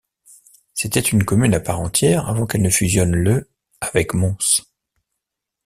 C'était une commune à part entière avant qu'elle ne fusionne le avec Mons.